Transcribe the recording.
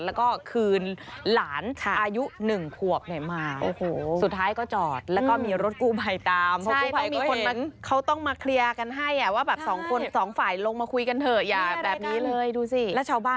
แล้วก็คืนหลานอายุหนึ่งควบไหนมา